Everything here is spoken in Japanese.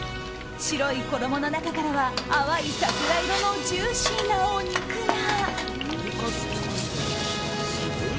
白い衣の中からは淡い桜色のジューシーなお肉が。